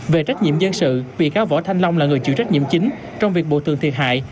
về trách nhiệm dân sự bị cáo võ thanh long là người chịu trách nhiệm chính trong việc bổ tường thiệt hại